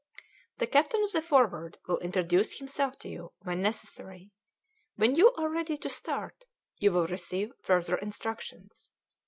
"The captain of the Forward will introduce himself to you when necessary. When you are ready to start you will receive further instructions.